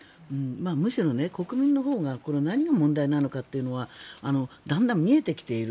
むしろ国民のほうが何が問題なのかというのがだんだん見えてきている。